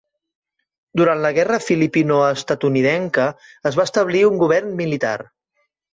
Durant la guerra filipino-estatunidenca es va establir un govern militar.